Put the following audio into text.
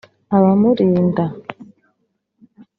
abamurinda